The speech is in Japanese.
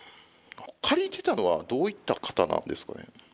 借りてたのはどういった方なんですかね？